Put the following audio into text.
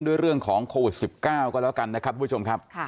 ด้วยเรื่องของโควิดสิบเก้าก็แล้วกันนะครับผู้ชมครับค่ะ